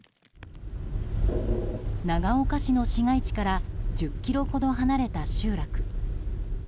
長岡市の市街地から１０ｋｍほど離れた集落。